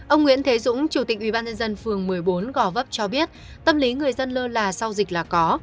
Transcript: ông nguyễn thế dũng chủ tịch ubnd phường một mươi bốn gò vấp cho biết tâm lý người dân lơ là sau dịch là có